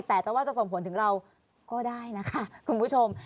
แต่จะว่าจะส่งผลถึงเราก็ได้นะคะคุณผู้ชม